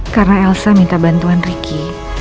karena elsa minta bantuan ricky